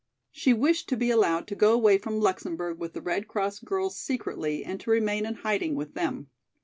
She wished to be allowed to go away from Luxemburg with the Red Cross girls secretly and to remain in hiding with them.